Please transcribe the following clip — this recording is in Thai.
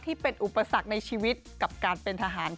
ที่เป็นอุปสรรคในชีวิตกับการเป็นทหารค่ะ